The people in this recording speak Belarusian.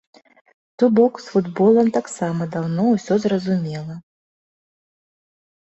То бок з футболам таксама даўно ўсё зразумела.